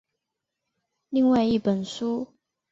另外一本书。